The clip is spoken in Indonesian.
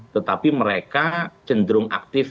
tetapi mereka cenderung aktif